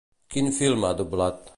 Quin film ha doblat?